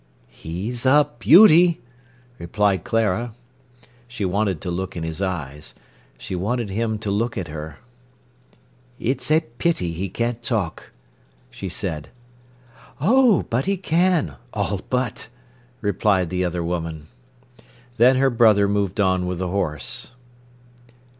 "He's a beauty!" replied Clara. She wanted to look in his eyes. She wanted him to look at her. "It's a pity he can't talk," she said. "Oh, but he can—all but," replied the other woman. Then her brother moved on with the horse.